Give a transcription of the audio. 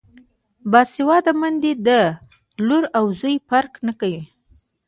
باسواده میندې د لور او زوی فرق نه کوي.